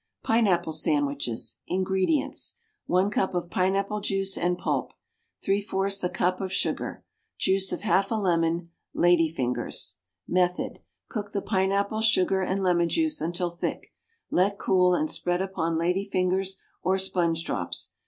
=Pineapple Sandwiches.= INGREDIENTS. 1 cup of pineapple juice and pulp. 3/4 a cup of sugar. Juice of half a lemon. Lady fingers. Method. Cook the pineapple, sugar and lemon juice until thick; let cool, and spread upon lady fingers or sponge drops.